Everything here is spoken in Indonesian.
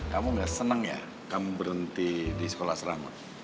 kamu gak senang ya kamu berhenti di sekolah seramu